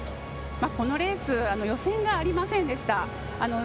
このレース予選がありませんでした。